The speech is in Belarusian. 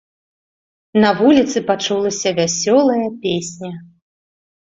На вуліцы пачулася вясёлая песня.